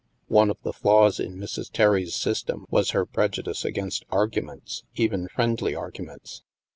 One of the flaws in Mrs. Terry's system was her prejudice against arguments, even friendly argu ments.